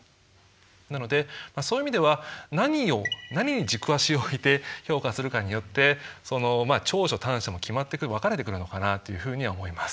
なのでそういう意味では何に軸足をおいて評価するかによって長所・短所も決まってくる分かれてくるのかなというふうには思います。